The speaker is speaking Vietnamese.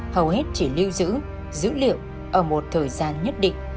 hầu hết chỉ lưu giữ dữ liệu ở một thời gian nhất định